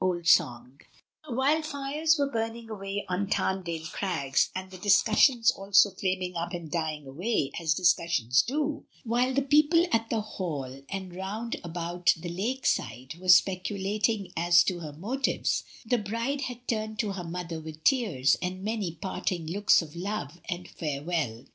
Old Song. While the fires were burning away on Tamdale Crags, and the discussions also flaming up and dying away, as discussions do, while the people at the Hall and round about the lake side were speculating as to her motives, the bride had turned to her mother with tears and many parting looks of love and fare well.